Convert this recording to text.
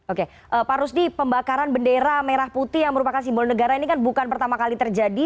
oke pak rusdi pembakaran bendera merah putih yang merupakan simbol negara ini kan bukan pertama kali terjadi